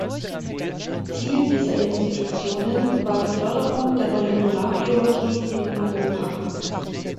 Ziel dieser Institutionen war die Förderung der Molekularbiologie in Europa.